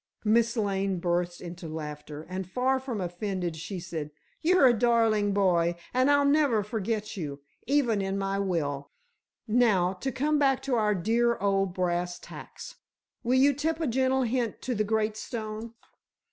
Miss Lane burst into laughter and, far from offended, she said: "You're a darling boy, and I'll never forget you—even in my will; now, to come back to our dear old brass tacks. Will you tip a gentle hint to the great Stone?"